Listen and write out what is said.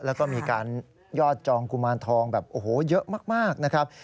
แล้วก็มีการยอดจองกุมารทองแบบโอ้โหเยอะมากนะครับ